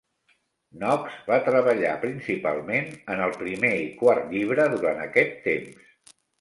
Knox va treballar principalment en el primer i quart llibre durant aquest temps.